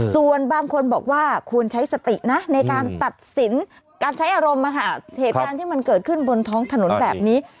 ส่วนบางคนบอกว่าควรใช้สตินะในการตัดสินการใช้อารมณ์เหตุการณ์ที่มันเกิดขึ้นบนท้องถนนแบบนี้